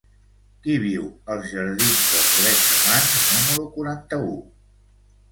Qui viu als jardins dels Drets Humans número quaranta-u?